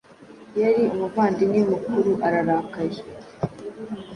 Yari umuvandimwe mukuru ararakaye